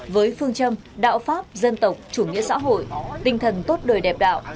với phương châm đạo pháp dân tộc chủ nghĩa xã hội tinh thần tốt đời đẹp đạo